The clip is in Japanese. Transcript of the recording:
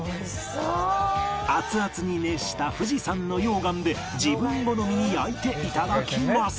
熱々に熱した富士山の溶岩で自分好みに焼いていただきます